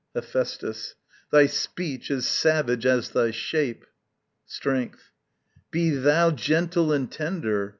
Hephæstus. Thy speech is savage as thy shape. Strength. Be thou Gentle and tender!